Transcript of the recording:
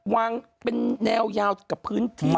วางเป็นแนวยาวกับพื้นที่